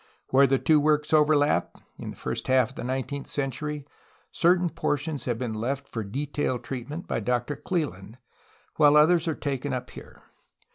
Where the two works overlap, in the first half of the nine teenth century, certain portions have been left for detailed treatment by Doctor Cleland, while others are taken up here.